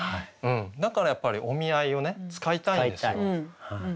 だからやっぱり「お見合い」をね使いたいんですよ。